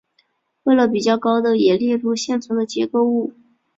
为了比较高度也列入现存的结构物。